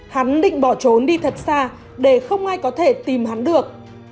hắn định bỏ trốn đi thật xa để không ai có thể tìm hắn được